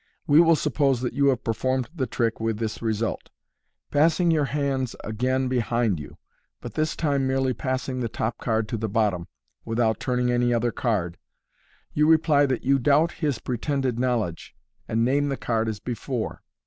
We will suppose that you have performed the trick with this result. Passing your hands again behind you, but this time merely passing the top card to the bottom, without turning any other card, you reply that you doubt his pretended knowledge, and name the card as before.